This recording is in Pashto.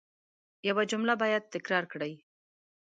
یو جمله باید تکرار کړئ.